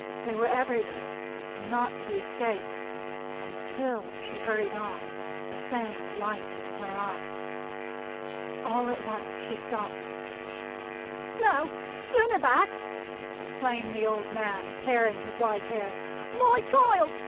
They were everywhere, and not to be escaped. And still she hurried on; the same light in her eyes. All at once she stopped. "Now, turn her back!" exclaimed the old man, tearing his white hair. "My child!